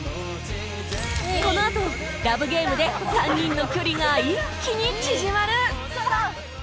このあと ＬＯＶＥＧＡＭＥ で３人の距離が一気に縮まる！